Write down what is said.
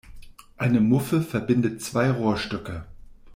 Eine Muffe verbindet zwei Rohrstücke.